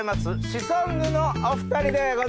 シソンヌのお２人でございます！